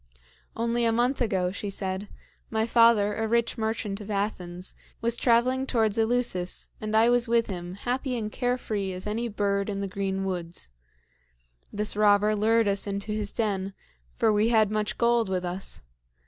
"Only a month ago," she said, "my father, a rich merchant of Athens, was traveling towards Eleusis, and I was with him, happy and care free as any bird in the green woods. This robber lured us into his den, for we had much gold with us.